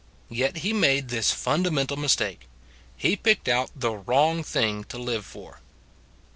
Yet he made this fundamental mistake : he picked out the wrong thing to live for.